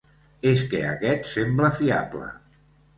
És que aquest sembla fiable.